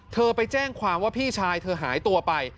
เธอไปแจ้งความว่าพี่ชายเธอหายตัวไป